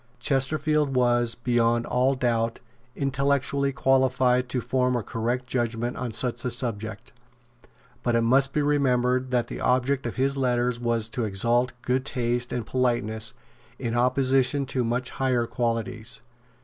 Chesterfield was, beyond all doubt, intellectually qualified to form a correct judgment on such a subject. But it must be remembered that the object of his letters was to exalt good taste and politeness in opposition to much higher qualities.